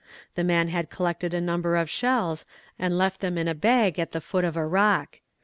The man had collected a number of shells, and left them in a bag at the foot of a rock.